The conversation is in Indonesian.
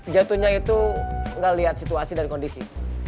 jatuhnya itu gak lihat situasi dan kondisi